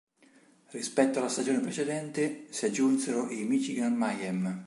Rispetto alla stagione precedente, si aggiunsero i Michigan Mayhem.